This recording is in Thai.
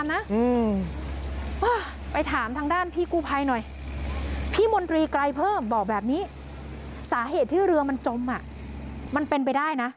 มนตรีไกลเพิ่มบอกแบบนี้สาเหตุที่เรือมันจมอ่ะมันเป็นไปได้นะ